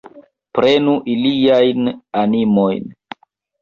Prenu iliajn animojn!